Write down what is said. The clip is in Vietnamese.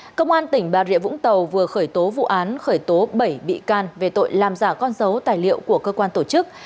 công an tỉnh bà rịa vũng tàu vừa khởi tố vụ án khởi tố bảy bị can về tội làm giả con dấu tài liệu của cơ quan tổ chức